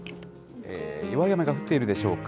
弱い雨が降っているでしょうか。